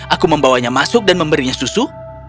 aku membawanya masuk dan memberinya susu